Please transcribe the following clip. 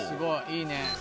いいね。